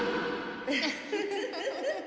フフフフ。